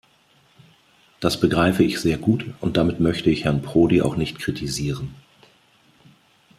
Das begreife ich sehr gut, und damit möchte ich Herrn Prodi auch nicht kritisieren.